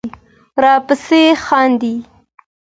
راپسې خاندې